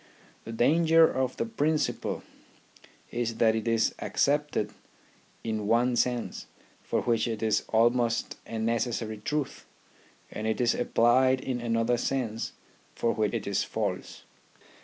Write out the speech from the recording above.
The danger of the principle is that it is accepted in one sense, for which it is almost a necessary truth, and it is applied in another sense for which it is false.